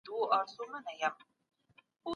ایا هغه په خپله پخوانۍ نظریه ولاړ دی؟